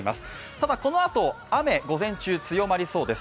ただこのあと、雨、午前中、強まりそうです。